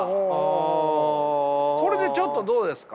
これでちょっとどうですか？